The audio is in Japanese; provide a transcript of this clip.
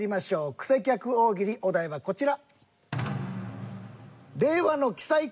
クセ客大喜利お題はこちら。